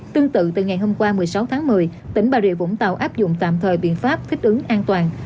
tương tự từ ngày hôm qua một mươi sáu tháng một mươi tỉnh bà rịa vũng tàu áp dụng tạm thời biện pháp thích ứng an toàn